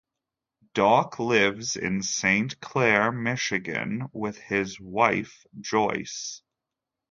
Doc lives in Saint Clair, Michigan with his wife Joyce.